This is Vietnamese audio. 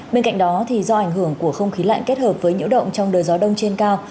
bên cạnh đó do ảnh hưởng của không khí lạnh kết hợp với nhiễu động trong đời gió đông trên cao